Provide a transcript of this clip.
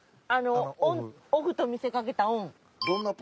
あのオフと見せかけたオン。